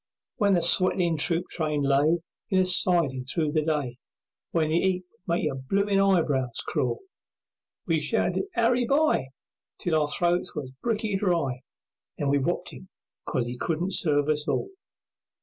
When the sweatin' troop train lay In a sidin' through the day, When the 'eat would make your bloomin' eyebrows crawl, We shouted "Harry By!" Till our throats were bricky dry, Then we wopped him 'cause 'e couldn't serve us all.